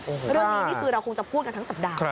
เรื่องนี้นี่คือเราคงจะพูดกันทั้งสัปดาห์